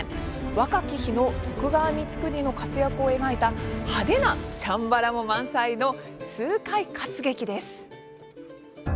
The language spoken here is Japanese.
若き日の徳川光圀の活躍を描いた派手なチャンバラも満載の痛快活劇です。